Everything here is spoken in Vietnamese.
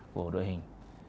ba của đội hình